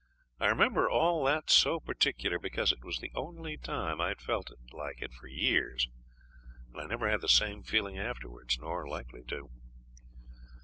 I remember all this so particular because it was the only time I'd felt like it for years, and I never had the same feeling afterwards nor likely to.